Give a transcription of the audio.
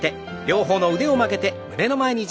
両方の腕を曲げて胸の前に。